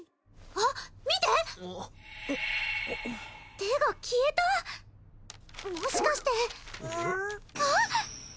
あっ手が消えたもしかしてあっ！